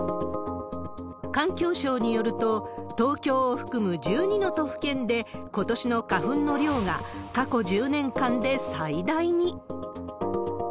環境省によると、東京を含む１２の都府県で、ことしの花粉の量が過去１０年間で最大に。